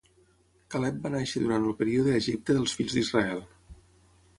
Caleb va néixer durant el període a Egipte dels fills d'Israel.